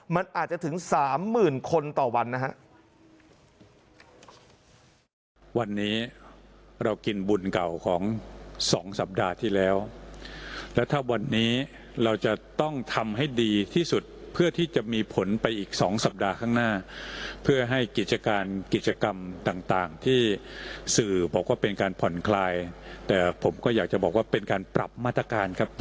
มันอาจจะถึง๓๐๐๐คนต่อวันนะครับ